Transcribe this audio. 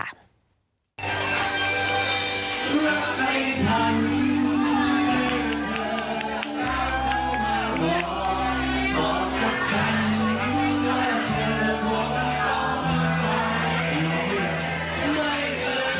ก็คิดว่าจะเป็นเพลงสุดท้ายไปติดตามเลยค่ะ